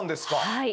はい。